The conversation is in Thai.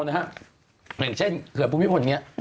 หรือเช่นเคือนปูนิฟลเนี่ย